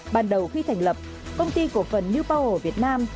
ban đầu khi thành lập công ty của phần new power việt nam